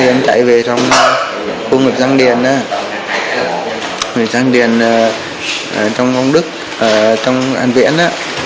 em chạy về trong khu vực giang điền trong hàn viễn